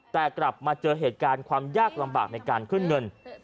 แต่กลับมาเจอเหตุการณ์ความยากลำบากในการขึ้นเงิน